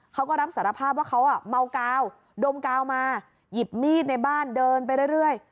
เขาก็รับสารภาพว่าเขาอ่ะเมาเกล้าดมเกล้ามาหยิบมีดในบ้านเดินไปเรื่อยเรื่อย